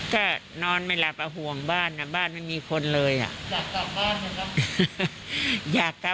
ก็นอนไม่หลับอ่ะห่วงบ้านอ่ะบ้านไม่มีคนเลยอ่ะอยากกลับบ้านนะครับ